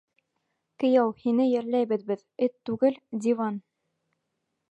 Кейәү, һине йәлләйбеҙ беҙ, Эт түгел, диван.